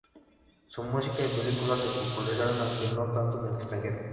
Su música y películas se popularizaron, aunque no tanto en el extranjero.